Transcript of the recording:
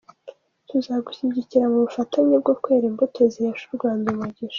Tuzagushyigikira mu bufatanye bwo kwera imbuto zihesha u Rwanda umugisha.